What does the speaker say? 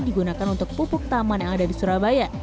digunakan untuk pupuk taman yang ada di surabaya